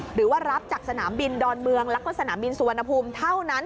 หรือว่ารับจากสนามบินดอนเมืองแล้วก็สนามบินสุวรรณภูมิเท่านั้น